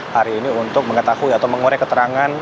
hari ini untuk mengetahui atau mengorek keterangan